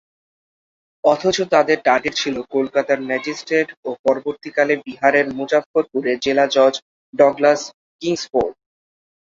অথচ তাদের টার্গেট ছিল কলকাতার ম্যাজিস্ট্রেট ও পরবর্তীকালে বিহারের মুজাফ্ফরপুরের জেলা জজ ডগলাস কিংসফোর্ড।